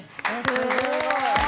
すごい！